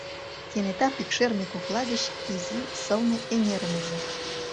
Кенета пӱкшерме кокла гыч изи, сылне эҥерым ужо.